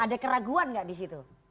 ada keraguan nggak di situ